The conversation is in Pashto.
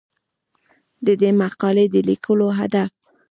د دې مقالې د لیکلو هدف